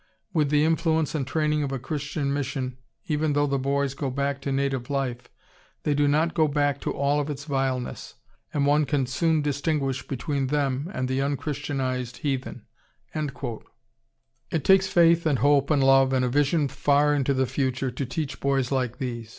With the influence and training of a Christian mission, even though the boys go back to native life, they do not go back to all of its vileness, and one can soon distinguish between them and the un Christianized heathen." It takes faith and hope and love and a vision far into the future to teach boys like these.